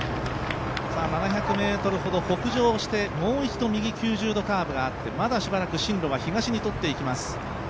７００ｍほど北上してもう一度、右９０度カーブがあってまだしばらく進路は東にとっていきます。